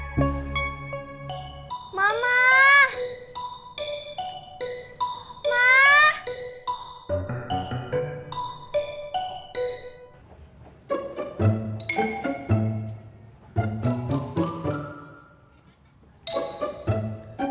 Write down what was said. tumakan hubungi beberapa saat lagi